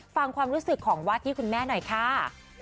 ฟังความรู้สึกของว่าที่คุณแม่หน่อยค่ะ